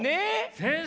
先生